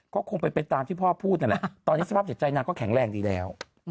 ก็คงไปตามที่พ่อพูดเนี่ยล่ะตอนนี้สภาพเศรษฐีใจนักก็แข็งแรงดีแล้ว